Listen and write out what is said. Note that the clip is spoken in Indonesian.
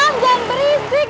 abang jangan berisik